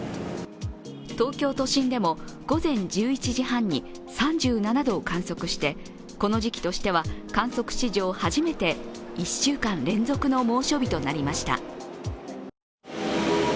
東京都心でも、午前１１時半に３７度を観測してこの時期としては観測史上初めて１週間連続の猛暑日となりました。